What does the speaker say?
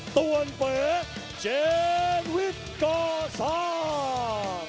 ต่วนเป๋เจนวิทย์ก่อซ่า